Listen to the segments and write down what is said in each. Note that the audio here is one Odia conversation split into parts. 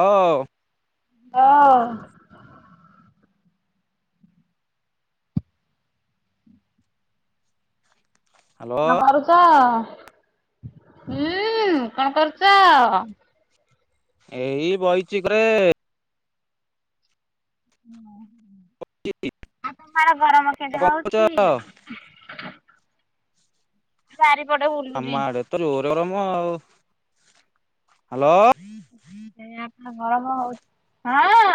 ହୋଉ ହୋଉ। ହଁ। ହ୍ୟାଲୋ କଣ କରୁଛ? ହୁଁ କଣ କରୁଛ? ଏଇ ବଇଚି ଘରେ। ଆ ତମର ଗରମ କେମିତି କଣ କରୁଛ? ହଉଛି? ସାର ପି ଆମ ଆଡେ ତ ଜୋରେ ଗରମ ଆଉ। ହାଲୋ। ଏଇଆ ତ ଗରମ ହଉଛି ହଁ।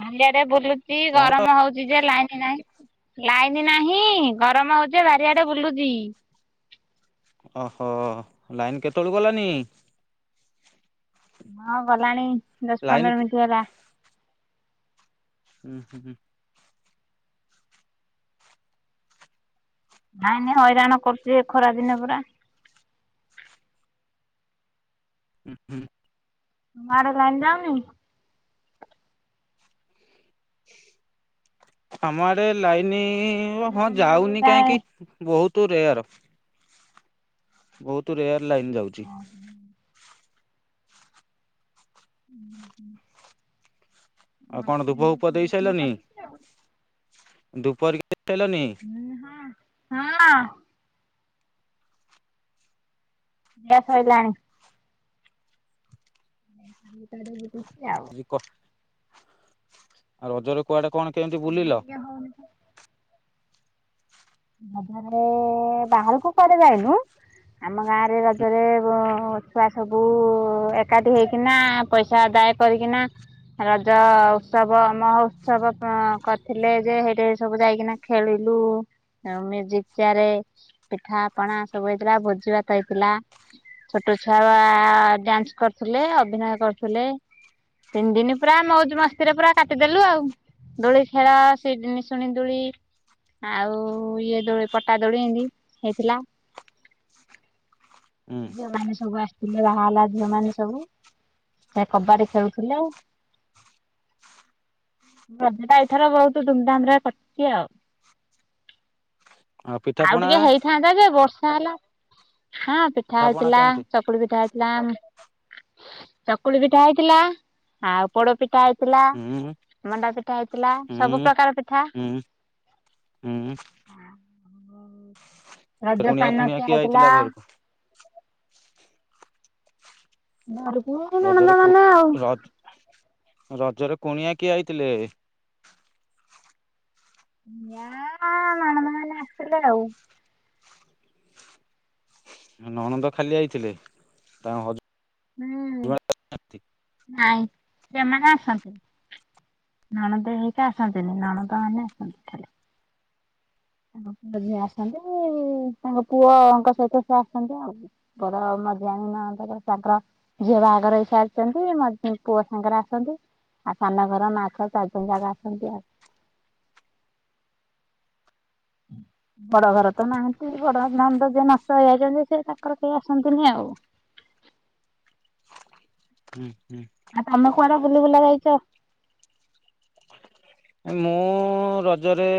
ବାଲି ଆଡ଼େ ବୁଲୁଚି। କଣ କରୁଛ ଗରମ ହଉ ଲାଇନ୍‌ ନାହିଁ। ଲାଇନ ନାହିଁ ଗରମ ହଉଛି ବାରିଆଡେ ବୁଲୁଛି। ଓହୋ ଲାଇନ୍ କେତେବେଳୁ ଗଲାନି? ହଁ ଗଲାଣି ଦଶ ଲାଇନ ପନ୍ଦର ମିନିଟ୍ ହେଲା। ଉଁ ହୁଁ। ଲାଇନ ହଇରାଣ କରୁଛି ଏ ଖରା ଦିନେ ପୁରା। ହୁଁ ହୁଁ। ତମ ଆଡେ ଲାଇନ ଯାଉନି। ଆମ ଆଡେ ଲାଇନ ହଁ କହିଲି ଲାଇନ୍ ତମ ଆଡେ ଯାଉନି ବା କାହିଁକି? ବହୁତ ରେୟାର। ବହୁତ ରେୟାର ଲାଇନ୍ ଯାଉଛି। ହୁଁ ହୁଁ ଆଉ କଣ ଲାଇନ ଧୂପ ଫୂପ ଦିନକୁ ଦେଇ ପନ୍ଦର ଥର କାଟୁଛି ଆଉ। ଧୁପ ହେରିକା [unintelligible] ହଁ ହଁ। ଖିଆ ସଇଲାଣି। ଖାଲି ଟାରେ ବୁଲୁଛି ଆଉ। କ ଆଉ ରଜରେ କୁଆଡେ କଣ କେମିତି ପବନ ବୁଲିଲ? ଟିକେ ହଉନି ରଜରେ ବାହାରକୁ କୁଆଡେ ଯାଇନୁ। ଆମ ଗାଁରେ ରଜରେ ଅ ଛୁଆ ସବୁ ଏକାଠି ହେଇକିନା ପଇସା ଆଦାୟ କରିକିନା ରଜ ଉତ୍ସବ ମହଉତ୍ସବ କରିଥିଲେ ଯେ ହେଇଠେ ସବୁ ଯାଇକିନା ଖେଳିଲୁ। ମ୍ୟୁଜିକ ଚେୟାର ପିଠା ପଣା ସବୁ ହେଇଥିଲା ଭୋଜି ଭାତ ହେଇଥିଲା। ଛୋଟ ଛୁଆ ଡ୍ୟାନ୍ସ କରୁଥିଲେ ଅଭିନୟ କରୁଥିଲେ। ତିନି ଦିନ ପୁରା ମଉଜ ମସ୍ତିରେ ପୁରା କାଟିଦେଲୁ ଆଉ। ଦୋଳି ଖେଳା ସେ ନିଶୁଣି ଦୋଳି ଆଉ ଇଏ ଦୋଳି ପଟା ଦୋଳି ଏମିତି ହେଇଥିଲା। ହୁଁ ଝିଅମାନେ ସବୁ ଆସିଥିଲେ ବାହା ହେଲା ଝିଅମାନେ ସବୁ। ସେ କବାଡି ଖେଳୁଥିଲେ। ରଜଟା ଏଇଥର ବହୁତୁ ଧୁମଧାମ୍ ରେ କଟିଛି ଆଉ। ଆଉ ଟିକେ ହେଇଥାନ୍ତା ଯେ ବର୍ଷା ହେଲା। ହଁ ପିଠା ପିଠାପଣା ହେଇଥିଲା। କେମିତି? ଚ ଚକୁଳି ପିଠା ହେଇଥିଲା ଚକୁଳି ପିଠା ହେଇଥିଲା। ଆଉ ପୋଡ ପିଠା ହେଇ ଥିଲା ହୁଁ ମଣ୍ଡା ପିଠା ହେଇଥିଲା ହୁଁ ସବୁ ପ୍ରକାର ପିଠା। ହୁଁ। ହଁ। ରଜ କୁଣିଆ ପାନ ଫୁଣିଆ ଖିଆ କିଏ ହେଇଥିଲା ଆଇଥିଲା ଘରକୁ? ଘରୁକୁ ରଜରେ କୁ ରଜ ରଜରେ କୁଣିଆ କିଏ ଆଇଥିଲେ? ନା ନଣନ୍ଦମାନେ ଆସିଥିଲେ ଆଉ ନଣନ୍ଦ ଖାଲି ଆଇଥିଲେ ତାଙ୍କ ହଜ ହଁ। ନାଇ ସେମାନେ ଆସନ୍ତି ନଣନ୍ଦ ସିଏ ଆସନ୍ତିନି ନଣନ୍ଦମାନେ ଆସନ୍ତି ଖାଲି ବଡ ଝିଅ ଆସନ୍ତି ତାଙ୍କ ପୁଅଙ୍କ ସହିତ ସେ ଆସନ୍ତି ଆଉ ବଡ ଆଉ ମଝିଆଣି ନଣନ୍ଦଙ୍କ ତାଙ୍କର ଝିଅ ବାହାଘର ହେଇ ସାରିଛନ୍ତି ମ ପୁଅ ସାଙ୍ଗରେ ଆସନ୍ତି। ଆଉ ସାନ ଘର ମା ଛୁଆ ଚାରିଜଣ ଯାକ ଆସନ୍ତି ଆଉ [inaudible] ବଡ ଘର ତ ନାହାନ୍ତି ବଡ ନନ୍ଦ ଯିଏ ନଷ୍ଟ ହେଇଯାଇଛନ୍ତି ସେ ତାଙ୍କର କେହି ଆସନ୍ତିନି ଆଉ ହଁ ହଁ। ଆ ତମେ କୁଆଡେ ବୁଲି ବୁଲା ଯାଇଛ? ମୁଁ ରଜରେ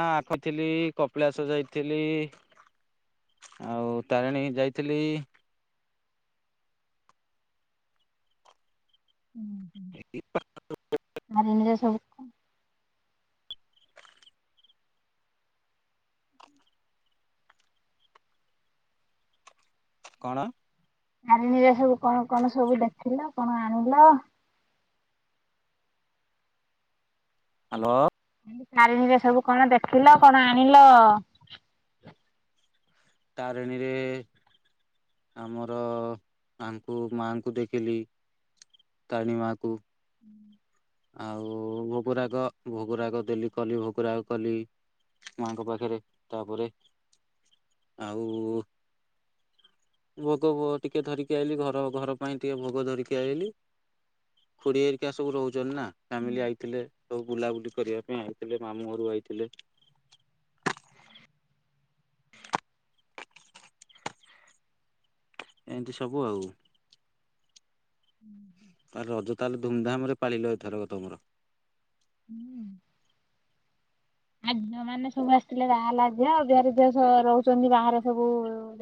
ଆ ଆଖଥିଲି କପିଳାସ ଯାଇଥିଲି। ଆଉ ତାରିଣୀ ଯାଇଥିଲି। [unintelligible] ଆରେ ନିଜ ସବୁ କଣ? ହାରିଣୀରେ ସବୁ କଣ କଣ ସବୁ ଦେଖିଲ କଣ ଆଣିଲ? ହାଲୋ। ତାରିଣୀରେ ସବୁ କଣ ଦେଖିଲ କଣ ଆଣିଲ? ତାରିଣୀରେ ଆମର ତାଙ୍କୁ ମାଙ୍କୁ ଦେଖିଲି ତାରଣୀମାକୁ [inaudible] ଆଉ ଭୋଗରାଗ ଭୋଗରାଗ ଦେଲି କଲି ଭୋଗରାଗ କଲି ମାଙ୍କ ପାଖରେ ତାପରେ ଆଉ ଭୋଗ ବ ଟିକେ ଧରିକି ଆଇଲି ଘର ଘର ପାଇଁ ଟିକେ ଭୋଗ ଧରିକି ଆଇଲି। ଖୁଡି ହେରିକା ସବୁ ରହୁଛନ୍ତି ନା ଫ୍ୟାମିଲି ଆଇଥିଲେ ସବୁ ବୁଲାବୁଲି କରିବା ପାଇଁ ଆଇଥିଲେ ମାମୁଁ ଘରୁ ଆଇଥିଲେ। ଏମିତି ସବୁ ଆଉ [inaudible] ଆ ରଜ ତାହେଲେ ଧୁମଧାମ୍ ରେ ପାଳିଲ ଏଥର କ ତମର ହଁ। ଆ ଝିଅମାନେ ସବୁ ଆସିଥିଲେ ବାହା ହେଲା ଝିଅ ଆଉ ଯାହାର ଝିଅ ଶ୍ ରହୁଛନ୍ତି ବାହାରେ ସବୁ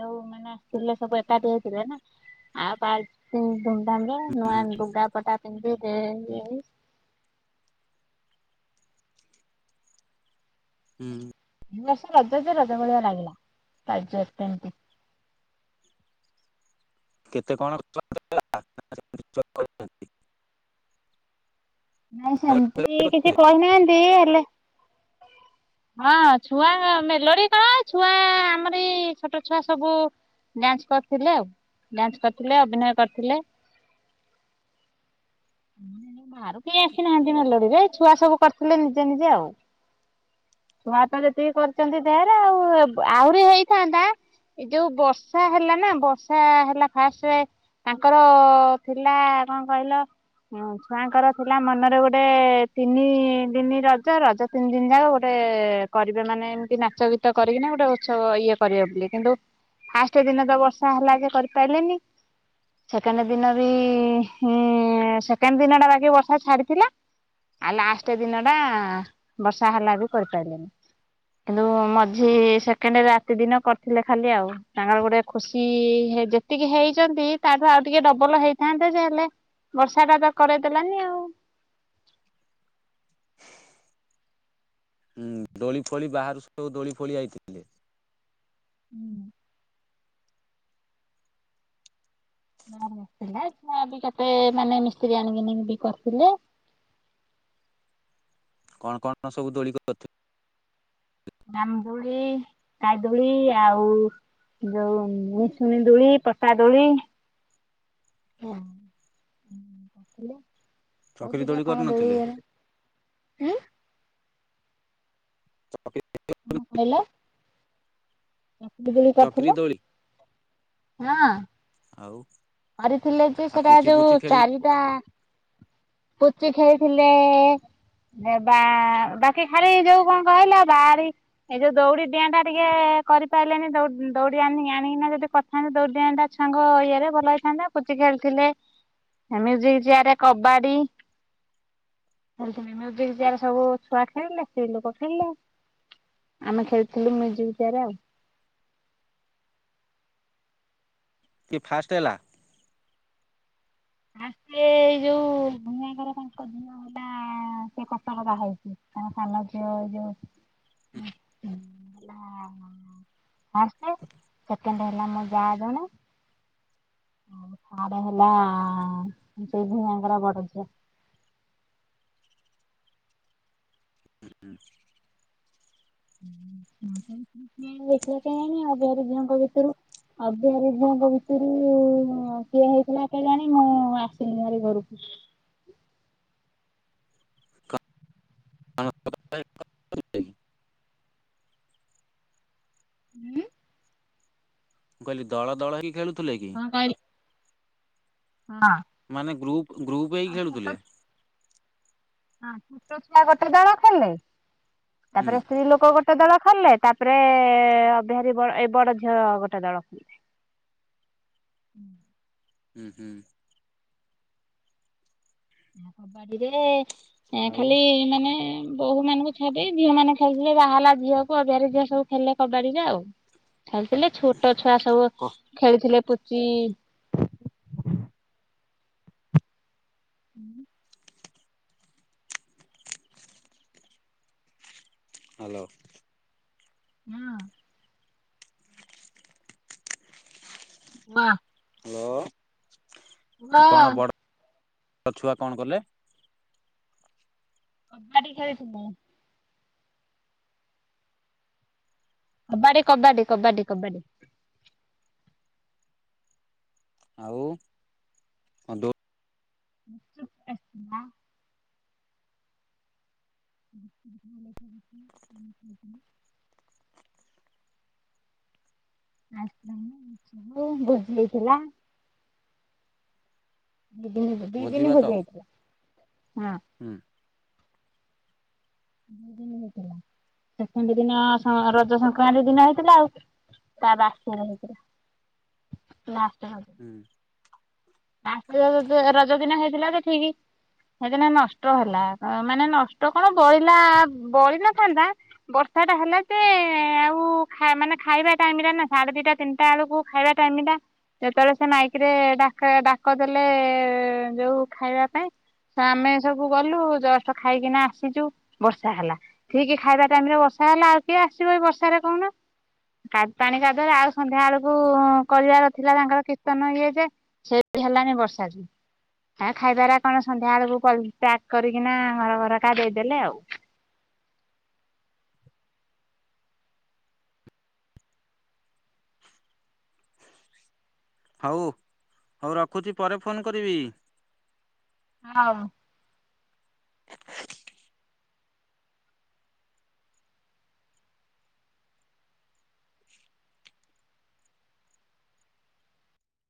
ଯୋଉମାନେ ଆସିଥିଲେ ସବୁ ଏକାଠି ହେଇଥିଲେ ନା ଆଉ ବା ସିଏ ବି ଧୁମଧାମ୍ ରେ ନୂଆ ଲୁଗାପଟା ପିନ୍ଧିକି ହଁ। ଏଇ ବର୍ଷ ରଜ ଯେ ରଜ ଭଳିଆ ଲାଗିଲା ରାଜ କେମତି କେତେ କଣ [unintelligible] [unintelligible] ନାଇଁ ସେମିତି କିଛି କରିଥିଲେ? କହିନାହାନ୍ତି ହେଲେ ହଁ ଛୁଆ ମେଲୋଡି କଣ ଛୁଆ ଆମରି ଛୋଟ ଛୁଆ ସବୁ ଡ୍ୟାନ୍ସ୍ କରିଥିଲେ ଆଉ ଡାନ୍ସ୍ କରିଥିଲେ ଅଭିନୟ କରିଥିଲେ। ବାହାରୁ କେହି ଆସିନାହାନ୍ତି ମେଲୋଡିରେ ଛୁଆ ସବୁ କରିଥିଲେ ନିଜେ ନିଜେ ଆଉ। ଛୁଆ ତ ଯେତିକି କରିଛନ୍ତି ଢେହେରେ ଆଉ ଆହୁରି ହେଇଥାନ୍ତା। ଏଇ ଯୋଉ ବର୍ଷା ହେଲା ନା ବର୍ଷା ହେଲା ଫାଷ୍ଟରେ ତାଙ୍କର ଥିଲା କଣ କହିଲ ହଁ ଛୁଆଙ୍କର ଥିଲା ମନରେ ଗୋଟେ ତିନି ଦିନି ରଜ ରଜ ତିନି ଦିନ ଯାକ ଗୋଟେ କରିବେ ମାନେ ଏମିତି ନାଚ ଗୀତ କରିକିନା ଗୋଟେ ଉତ୍ସବ ଇଏ କରିବେ ବୋଲି କିନ୍ତୁ ଫାଷ୍ଟ୍ ଦିନ ତ ବର୍ଷା ହେଲା ଯେ କରିପାଇଲେନି। ସେକେଣ୍ଡ ଦିନ ବିଁ ହିଁ ସେକେଣ୍ଡ ଦିନ ଟା ବାକି ବର୍ଷା ଛାଡିଥିଲା। ଆଉ ଲାଷ୍ଟ୍ ଦିନ ଟା ବର୍ଷା ହେଲା ବି କରିପାରିଲେନି। କିନ୍ତୁ ମଝି ସେକେଣ୍ଡ୍ ରାତି ଦିନ କରିଥିଲେ ଖାଲି ଆଉ। ତାଙ୍କର ଗୋଟେ ଖୁସି ହେ ଯେତିକି ହେଇଛନ୍ତି ତାଠୁ ଆଉ ଟିକେ ଡବଲ ହେଇଥାନ୍ତେ ଯେ ହେଲେ ବର୍ଷା ଟା ତ କରେଇଦେଲାନି ଆଉ। ହୁଁ ଦୋଳି ଫୋଳି ବାହାରୁ ସବୁ ଦୋଳି ଫୋଳି ଆଇଥିଲେ। ହୁଁ। ନମି ଆସିଥିଲେ ଯାହା ବି କେତେ ମାନେ ମିସ୍ତ୍ରୀ ଆଣିକି ବି କରିଥିଲେ। କଣ କଣ ସବୁ ଦୋଳି କରିଥି ରାମ୍ ଦୋଳି, ଖାଇଦୋଳି ଆଉ ଯୋଉ ମିଶୁଣୀ ଦୋଳି, ପଟା ଦୋଳି। ଉଁ ଚକିରି ଦୋଳି କରିନଥିଲେ [unintelligible] କଣ କହିଲ? ଚକିରି ଦୋଳି ହଁ। ଆଉ? କରିଥିଲେ ଯେ ଆଉ ସେଟା ପୁଚି ଯୋଉ ପୁଚି ଖେଳିଲେ ଚାରିଟା ପୁଚି ଖେଳିଥିଲେ। ନେବା ବାକି ଖାଲି ଯୋଉ କଣ କହିଲ ବାରି ଏଇ ଯୋଉ ଦୌଡି ଡିଆଁ ଟା ଟିକେ କରିପାରିଲେନି ଦୌ ଦୌଡି ଆଣି ଆଣିକିନା ଯଦି କରି ସାଙ୍ଗ ଦୌଡି ଡିଆଁଟା ଛୁଆଙ୍କ ଇଏରେ ଭଲ ହେଇ ସାଣ୍ଡା ପୁଚି ଖେଳୁଥିଲେ ମ୍ୟୁଜିକ୍ ଚିଆର୍, କବାଡି ଖେଳିଥିନି ମ୍ୟୁଜିକ୍ ଚିଆର ସବୁ ଛୁଆ ଖେଳିଲେ ସ୍ତ୍ରୀ ଲୋକ ଖେଳିଲେ। ଆମେ ଖେଳିଥିଲୁ ମ୍ୟୁଜିକ୍ ଚିଆର୍ ଆଉ। କିଏ ଫାଷ୍ଟ୍ ହେଲା? ଆଗେ ଏଇ ଯୋଉ ଭୂମି ଙ୍କର କଣ କରିଦେଲେ ହୁଅନ୍ତା। ହଁ ସିଏ କଟକ ବାହାହେଇଛି ତାଙ୍କ ସାନ ଝିଅ ଏଇ ଯୋଉ ଫାଷ୍ଟ୍ ସେକେଣ୍ଡ୍ ହେଲା ମୋ ଯା ଜଣେ ଥାଡ୍ ହେଲା ସେଇ ଦିହାଙ୍କର ବଡ ଝିଅ। [unintelligible] କିଏ ହେଇଥିବ କେଆଁଣି ଅଭିହାରି ଝିଅଙ୍କ ଭିତରୁ? ଅଭିହାରି ଝିଅ ଙ୍କ ଭିତରୁ କିଏ ହେଇଥିଲା କେଜାଣି ମୁଁ ଆସିଲି ହାରି ଘରକୁ। ମୁଁ ଉଁ ମୁଁ କହିଲି ଦଳ ଦଳ ହେଇକି ଖେଳୁଥିଲେ କି? [unintelligible] ହଁ। ମାନେ ଗ୍ରୁପ୍ ଗ୍ରୁପ୍ ହେଇକି ଖେଳୁଥିଲେ? ହଁ ଛୋଟ ଛୁଆ ଗୋଟେ ଦଳ ଖେଳିଲେ। ହୁଁ ତାପରେ ସ୍ତ୍ରୀ ଲୋକ ଗୋ ଦଳ ଖଳିଲେ ତାପରେ ଏ ଅବିହାରୀ ବଳ ଏ ବଡ ଝିଅ ଗୋଟେ ଦଳ ଖେଳିଲେ। ହୁଁ ହୁଁ। କବାଡିରେ ଆଉ ଖାଲି ମାନେ ବୋହୁ ମାନଙ୍କୁ ଛାଡି ଝିଅମାନେ ଖାଲିଥିଲେ ବାହା ହେଲା ଝିଅ କୁ ଅବିହାରୀ ଝିଅ ସବୁ ଖେଳିଲେ କବାଡିରେ ଆଉ। ଖେଳିଥିଲେ ଛୁଟ ଛୁଆ ସବୁ ଖେଳିଥିଲେ ପୁଚି। ହୁଁ। ହାଲୋ। ହଁ। ମା। ହ୍ୟାଲୋ କଣ ୱା ବଡ଼ ଛୁଆ କଣ କଲେ? କବାଡ଼ି ଖେଳିଥିଲେ। କବାଡ଼ି କବାଡ଼ି କବାଡ଼ି କବାଡ଼ି। ଆଉ। ଦୋ ଶୁବ ଅଛି ନା। [unintelligible] ଆ ବୋଉ ବୁଝେଇଥିଲା। ଦିଦିନ ଦି ଭୋଜି ଦିନି ଭାତ ଭୁଜି ହେଇଥିଲା। ହଁ। ହୁଁ। ଦିଦିନ ହେଇଥିଲା ସେକେଣ୍ଡ ଦିନ ସ ରଜ ସଂକ୍ରାନ୍ତି ଦିନ ହେଇଥିଲା ଆଉ। ତ ବାସିନ ହେଇଥିଲା ନା ଆସନ। ହୁଁ। ପାସିଲା ରଜ ରଜ ଦିନ ହେଇଥିଲା ଯେ ଠିକି। ସେଦିନ ନଷ୍ଟ ହେଲା। ମାନେ ନଷ୍ଟ କଣ ବଳିଲା ବଳି ନଥାନ୍ତା। ବର୍ଷା ଟା ହେଲା ଯେ ଏ ଆଉ ଖା ମାନେ ଖାଇବା ଟାଇମ ରେ ନା ସାଢେ ଦିଟା ତିନିଟା ଏଳକୁ ଖାଇବା ଟାଇମ ଟା ଯେତେବେଳେ ସେ ମାଇକିରେ ଡାକ କା ଡାକ ଦେଲେ ଯୋଉ ଖାଇବା ପାଇଁ। ତ ଆମେ ସବୁ ଗଲୁ ଜଷ୍ଟ ଖାଇକିନା ଆସିଛୁ ବର୍ଷା ହେଲା। ଠିକି ଖାଇବା ଟାଇମରେ ବର୍ଷା ହେଲା। ଆଉ କିଏ ଆସିବ ଏଇ ବର୍ଷାରେ କହୁନ। କାର ପାଣି କାଦୁଅରେ ଆଉ ସନ୍ଧ୍ୟା ଏଳକୁ କରିବାର ଥିଲା ତାଙ୍କର କୀର୍ତ୍ତନ ଇଏ ଯେ ସେବି ହେଲାଣିି ବର୍ଷା ଯୋଗୁଁ। ଆ ଖାଇବାର କଣ ସନ୍ଧ୍ୟା ଏଳକୁ ପ୍ୟାକ୍ କରିକିନା ହର ଘରକା ଦେଇଦେଲେ ଆଉ। ହଉ ହଉ ରଖୁଛି ପରେ ଫୋନ କରିବି। ହଉ।